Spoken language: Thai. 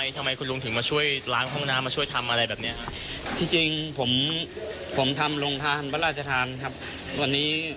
ทำไมคุณรุงถึงมาช่วยล้างห้องน้ำมาช่วยทำอะไรอย่างนี้